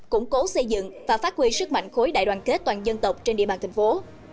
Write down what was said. củng cố xây dựng và phát huy sức mạnh khối đại đoàn kết toàn dân tộc trên địa bàn thành phố